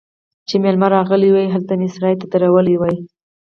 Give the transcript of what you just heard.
چې مېلمانه راغلي وو، هلته مې سرای ته درولږل.